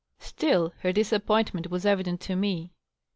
Still, her disappointment was evident to me.